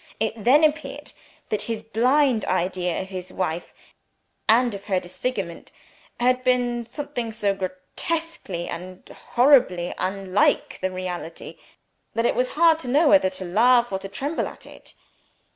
It then appeared that his blind idea of his wife, and of her disfigurement had been something so grotesquely and horribly unlike the reality, that it was hard to know whether to laugh or to tremble at it.